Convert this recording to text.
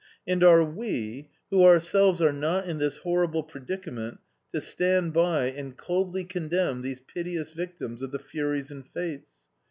And are we, who ourselves are not in this horrible predicament, to stand by and coldly condemn these piteous victims of the Furies and Fates?